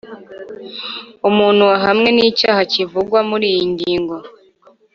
Umuntu wahamwe n icyaha kivugwa muri iyi ngingo